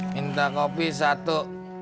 minta kopi satu